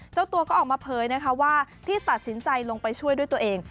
เจ้าตัวก็ออกมาเผยนะคะว่าที่ตัดสินใจลงไปช่วยด้วยตัวเอง